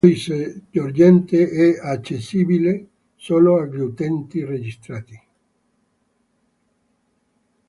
Il codice sorgente è accessibile solo agli utenti registrati.